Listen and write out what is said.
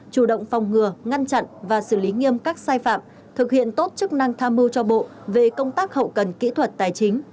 chủ động phòng ngừa ngăn chặn và xử lý nghiêm các sai phạm thực hiện tốt chức năng tham mưu cho bộ về công tác hậu cần kỹ thuật tài chính